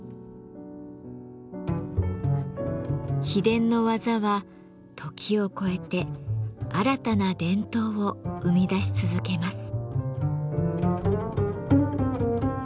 秘伝の技は時を超えて新たな伝統を生み出し続けます。